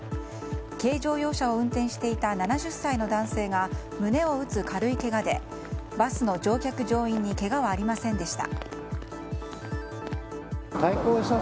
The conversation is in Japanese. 軽乗用車を運転していた７０歳の男性が胸を打つ軽いけがでバスの乗客・乗員にけがはありませんでした。